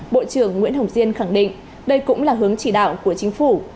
bộ trưởng nguyễn hồng diên khẳng định đây cũng là hướng chỉ đạo của chính phủ